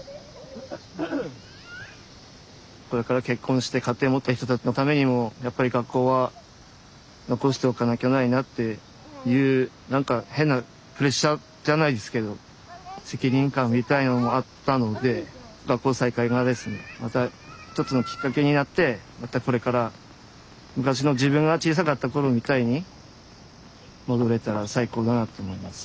これから結婚して家庭を持った人たちのためにもやっぱり学校は残しておかなきゃないなっていうなんか変なプレッシャーじゃないですけど責任感みたいのもあったので学校再開がですねまた一つのきっかけになってまたこれから昔の自分が小さかった頃みたいに戻れたら最高だなと思います。